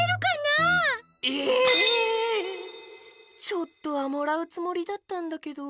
ちょっとはもらうつもりだったんだけど。